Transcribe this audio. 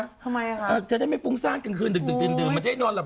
ทำไมคะจะได้ไม่ฟุ้งซ่านกลางคืนดื่มมันจะนอนหลับ